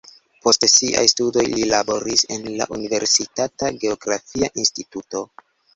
Post siaj studoj li laboris en la universitata geografia instituto.